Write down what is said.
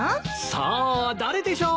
さあ誰でしょう。